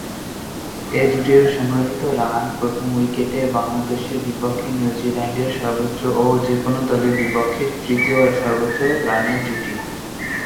এ জুটির সংগৃহীত রান প্রথম উইকেটে বাংলাদেশের বিপক্ষে নিউজিল্যান্ডের সর্বোচ্চ ও যে-কোন দলের বিপক্ষে তৃতীয় সর্বোচ্চ রানের জুটি।